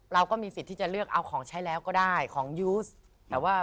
เราก็มีสิทธิ์ที่จะเลือกเอาของใช้แล้วก็ได้ของยูสแต่ว่า